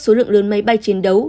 số lượng lớn máy bay chiến đấu